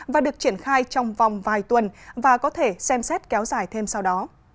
và được triển khai trong vòng vài tuần và có thể xem xét kéo dài thêm sau đó